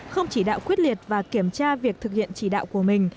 không chỉ đạo quyết liệt và kiểm tra việc thực hiện chỉ đạo của mình